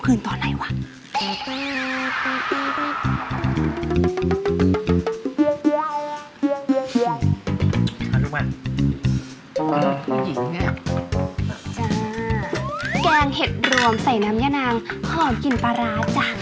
อ๋อผู้หญิงนี้น่ะจ้าแกงเห็ดรวมใส่น้ำยานางหอมกลิ่นปลาร้าจ้ะ